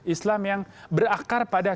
islam yang berakar pada